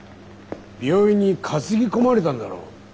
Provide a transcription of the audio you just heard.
病院に担ぎ込まれたんだろ。